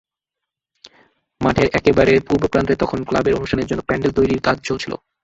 মাঠের একেবারে পূর্ব প্রান্তে তখন ক্লাবের অনুষ্ঠানের জন্য প্যান্ডেল তৈরির কাজ চলছিল।